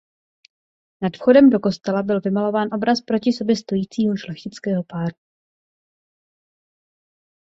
Nad vchodem do kostela byl vymalován obraz proti sobě stojícího šlechtického páru.